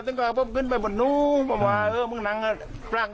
ตึงกับผมขึ้นไปบนนู้นมามาเออมึงนางน่ะปลากน่ะ